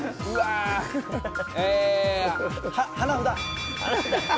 花札。